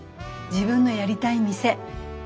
自分のやりたい店。